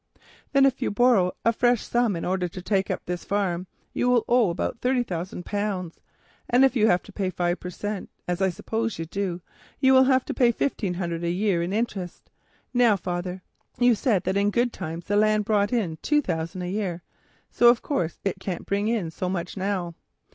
"Then if you borrow a fresh sum in order to take up this farm, you will owe about thirty thousand pounds, and if you give five per cent., as I suppose you do, you will have to pay fifteen hundred a year in interest. Now, father, you said that in the good times the land brought in two thousand a year, so, of course, it can't bring in so much now.